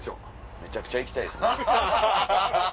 めちゃくちゃ行きたいですね。